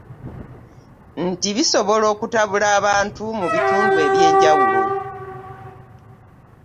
Nti bisobola okutabula abantu mu bitundu ebyenjawulo.